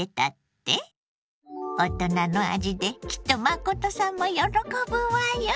大人の味できっと真さんも喜ぶわよ。